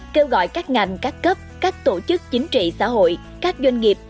kêu gọi các ngành các cấp các tổ chức chính trị xã hội các doanh nghiệp